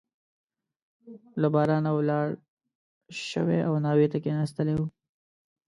له بارانه ولاړ شوی او ناوې ته کښېنستلی وو.